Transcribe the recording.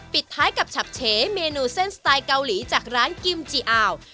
ปิดท้ายกับฉับเฉเมนูเส้นสไตล์เกาหลีจากร้านกิมจิอาว